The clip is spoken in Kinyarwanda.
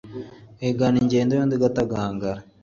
Wigana ingendo y’undi ugatagataga.